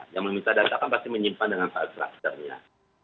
yang meminta data kan pasti menyimpan dengan file structure nya